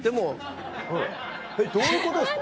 はいえっどういうことですか？